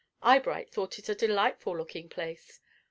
Eyebright thought it a delightful looking place.